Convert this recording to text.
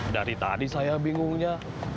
dari tadi saya bingungnya